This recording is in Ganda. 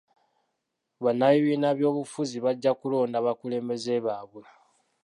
Bannabibiina by'obufuzi bajja kulonda abakulembeze baabwe.